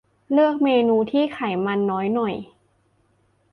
เลือกเมนูที่ไขมันน้อยหน่อย